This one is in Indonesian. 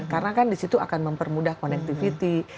karena kan disitu akan mempermudah connectivity